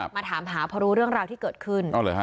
มาถามหาเพราะรู้เรื่องราวที่เกิดขึ้น